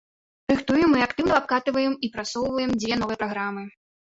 Рыхтуем і актыўна абкатваем і прасоўваем дзве новыя праграмы.